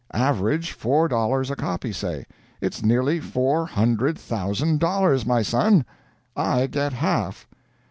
Average four dollars a copy, say. It's nearly four hundred thousand dollars, my son. I get half."